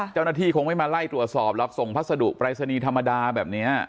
เจ้าหน้าที่คงไม่มาไล่ตรวจสอบหรอกส่งพัสดุปรายศนีย์ธรรมดาแบบนี้